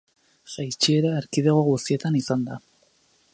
Jaitsiera erkidego guztietan izan da.